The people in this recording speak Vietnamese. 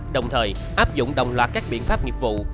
đồng thời áp dụng đồng loạt các biện pháp nghiệp vụ